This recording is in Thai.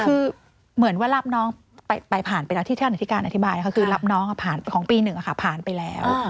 คือเหมือนว่ารับน้องไปผ่านไปแล้วที่ท่านอธิการอธิบายก็คือรับน้องผ่านของปี๑ผ่านไปแล้ว